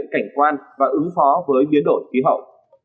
nâng cao năng và ứng phó với nhiệt độ khí hậu